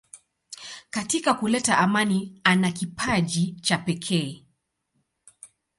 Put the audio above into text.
Katika kuleta amani ana kipaji cha pekee.